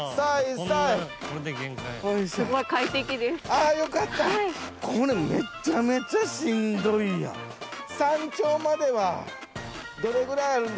あぁよかったこれめちゃめちゃしんどいやん。